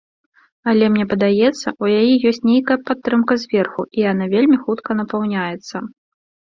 Але мне падаецца, у яе ёсць нейкая падтрымка зверху, і яна вельмі хутка напаўняецца.